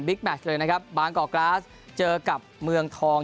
แมชเลยนะครับบางกอกกราสเจอกับเมืองทอง